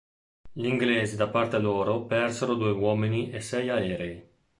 Gli inglesi da parte loro persero due uomini e sei aerei.